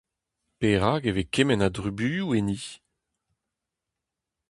Perak e vez kement a drubuilhoù enni ?